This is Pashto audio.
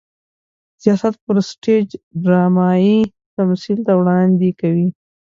د سياست پر سټېج ډرامايي تمثيل ته وړاندې کوي.